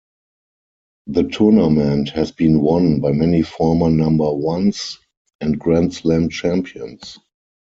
The tournament has been won by many former number ones and Grand Slam champions.